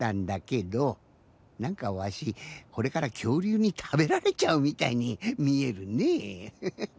なんかわしこれからきょうりゅうにたべられちゃうみたいにみえるねフフ。